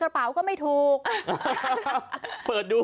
สวัสดีสวัสดี